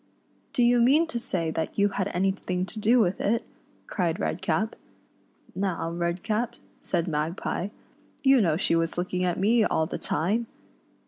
" Do you mean to say that you had anything to do with it ?" cried Redcap. " Now, Redcap," said Magpie, " you know she was looking at me all the time